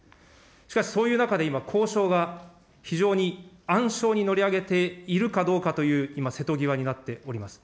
しかし、そういう中で今、交渉が非常に暗礁に乗り上げているかどうかという今、瀬戸際になっております。